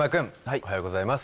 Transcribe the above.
おはようございます。